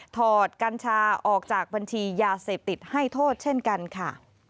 กัญชาออกจากบัญชียาเสพติดให้โทษเช่นกันค่ะ